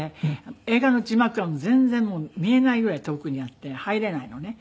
映画の字幕は全然見えないぐらい遠くにあって入れないのね。